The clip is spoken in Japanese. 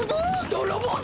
どろぼう？